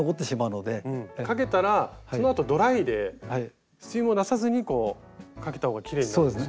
かけたらそのあとドライでスチームを出さずにこうかけた方がきれいになるんですね。